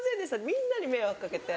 みんなに迷惑かけて。